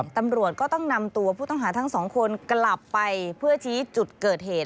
ตำรวจก็ต้องนำตัวผู้ต้องหาทั้งสองคนกลับไปเพื่อชี้จุดเกิดเหตุ